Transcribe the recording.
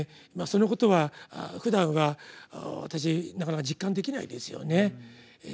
そのことはふだんは私なかなか実感できないですよね。